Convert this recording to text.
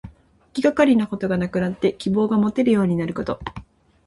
気がかりなことがなくなって希望がもてるようになること。